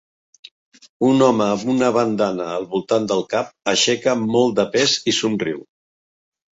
Un home amb una bandana al voltant del cap aixeca molt de pes i somriu.